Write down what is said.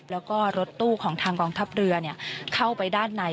แล้วก็รถตู้ของทางกองทัพเรือเข้าไปด้านใน